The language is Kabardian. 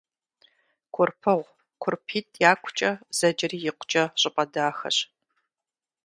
Курпыгъу «КурпитӀ якукӀэ» зэджэри икъукӀэ щӀыпӀэ дахэщ.